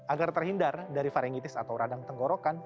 agar terhindar dari varingitis atau radang tenggorokan